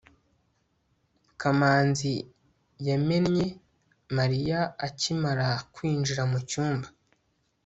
kamanzi yamenye mariya akimara kwinjira mucyumba